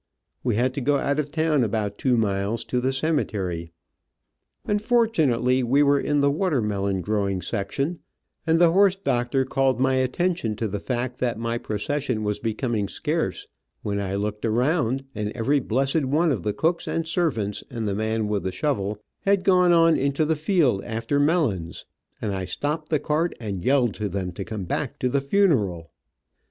We had to go out of town about two miles, to the cemetery. Unfortunately we were in the watermelon growing section, and the horse doctor called my attention to the fact that my procession was becoming scarce, when I looked around, and every blessed one of the cooks and servants, and the man with the shovel, had gone on into the field after melons, and I stopped the cart and yelled to them to come back to the funeral.